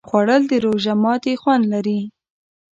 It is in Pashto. خوړل د روژه ماتي خوند لري